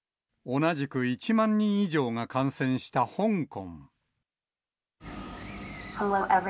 同じく１万人以上が感染した香港。